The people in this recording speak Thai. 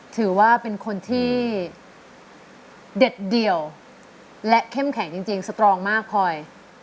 ถือว่าเป็นคนที่เด็ดเดี่ยวและเข้มแข็งจริงสตรองมากพลอย